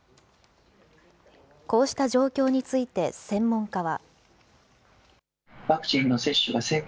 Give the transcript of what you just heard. こうした状況について専門家は。